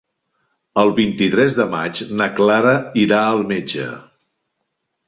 El vint-i-tres de maig na Clara irà al metge.